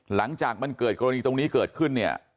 หลังจากมันเกิดกรณีตรงนี้เกิดขึ้นเนี่ย